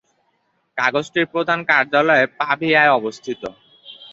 কাগজটির প্রধান কার্যালয় পাভিয়ায় অবস্থিত।